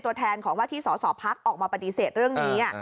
ตัวแทนของว่าที่สอสอพักออกมาปฏิเสธเรื่องนี้